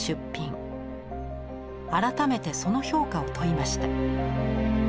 改めてその評価を問いました。